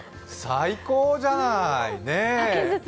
最高じゃない、ねぇ。